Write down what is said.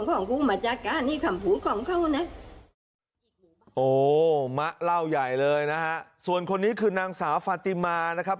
โอ้โหมะเล่าใหญ่เลยนะฮะส่วนคนนี้คือนางสาวฟาติมานะครับ